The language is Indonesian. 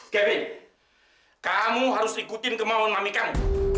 kevin kamu harus ikutin kemauan mami kamu